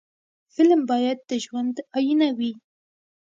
فلم باید د ژوند آیینه وي